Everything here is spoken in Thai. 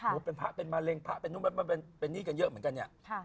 หรือพระเป็นมะเร็งพระเป็นนี่กันเยอะเหมือนกันนี่